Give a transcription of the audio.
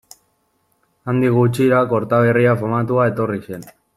Handik gutxira, Kortaberria famatua etorri zen.